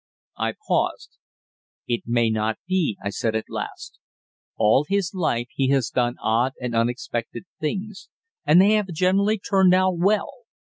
I paused. "It may not be," I said at last. "All his life he has done odd and unexpected things, and they have generally turned out well.